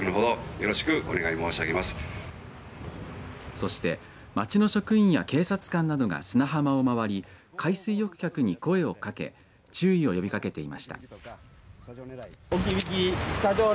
そして、町の職員や警察官などが砂浜を回り、海水浴客に声をかけ注意を呼びかけていました。